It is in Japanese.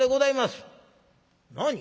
「何？